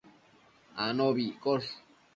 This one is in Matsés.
anobi iccosh